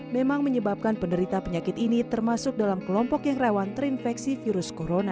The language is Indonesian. memang menyebabkan penderita penyakit ini termasuk dalam kelompok yang rawan terinfeksi virus corona